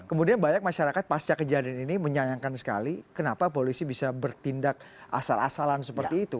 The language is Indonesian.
kemudian banyak masyarakat pasca kejadian ini menyayangkan sekali kenapa polisi bisa bertindak asal asalan seperti itu